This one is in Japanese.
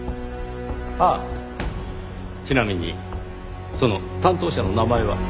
ああちなみにその担当者の名前は？